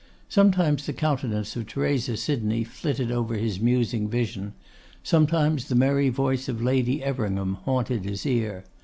Sometimes the countenance of Theresa Sydney flitted over his musing vision; sometimes the merry voice of Lady Everingham haunted his ear.